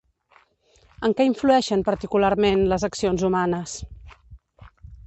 En què influeixen, particularment, les accions humanes?